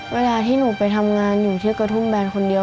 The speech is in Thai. เวลาที่หนูไปทำงานอยู่ที่กระทุ่มแบนคนเดียว